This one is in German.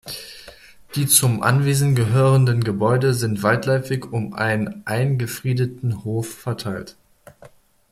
Die zum Anwesen gehörenden Gebäude sind weitläufig um einen eingefriedeten Hof verteilt.